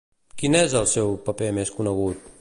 Quin és el seu paper més conegut?